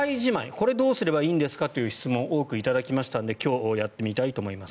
これをどうすればいいですかという質問を多く頂きましたので今日やってみたいと思います。